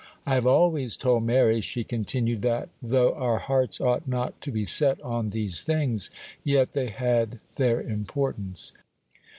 'I have always told Mary,' she continued, 'that, though our hearts ought not to be set on these things, yet they had their importance.